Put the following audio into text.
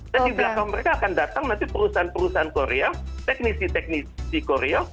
dan di belakang mereka akan datang nanti perusahaan perusahaan korea teknisi teknisi korea